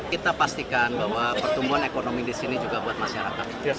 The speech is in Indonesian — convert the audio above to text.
kita pastikan bahwa pertumbuhan ekonomi disini juga buat masyarakat